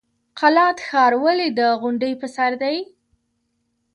قلات ښار ولې د غونډۍ په سر دی؟